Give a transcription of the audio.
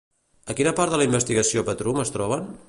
A quina part de la investigació Petrum es troben?